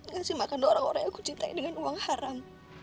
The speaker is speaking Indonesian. kasih makan doa orang orang yang aku cintai dengan uang haram